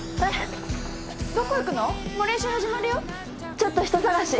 ちょっと人捜し！